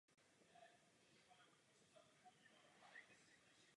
Rovněž prosazoval i zavedení železniční dopravy do města.